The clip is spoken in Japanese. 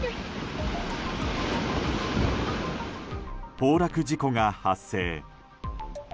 崩落事故が発生。